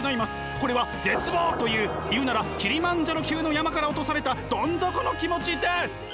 これは絶望という言うならキリマンジャロ級の山から落とされたどん底の気持ちです！